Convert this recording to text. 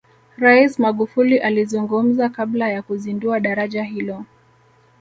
rais magufuli alizungumza kabla ya kuzindua daraja hilo